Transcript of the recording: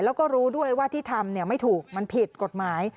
แล้วก็รู้ด้วยว่าที่ทำไม่ถูกมันผิดกฎหมาย